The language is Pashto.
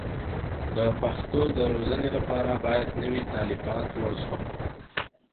د پښتو د روزنې لپاره باید نوي تالیفات وسو.